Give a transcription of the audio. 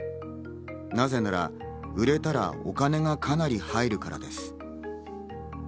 なぜなら、売れたらお金がかなり入るからです。